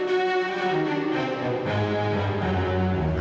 mila kamu sendirian di rumah